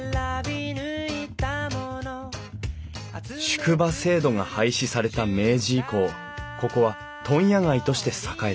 宿場制度が廃止された明治以降ここは問屋街として栄えた。